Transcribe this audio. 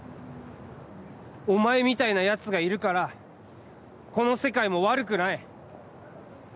お前みたいなやつがいるから、この世界も悪くない。